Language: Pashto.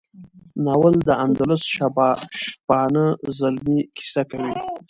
ناول د اندلسي شپانه زلمي کیسه کوي.